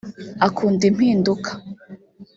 Akunda impinduka